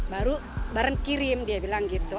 baru bareng kirim dia bilang gitu